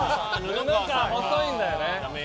布川、細いんだよね。